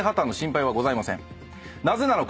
なぜなのか？